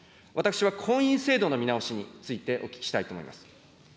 私は婚姻制度の見直しについてお聞きしたいと思います。